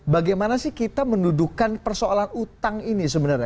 bagaimana sih kita mendudukan persoalan utang ini sebenarnya